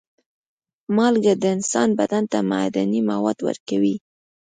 مالګه د انسان بدن ته معدني مواد ورکوي.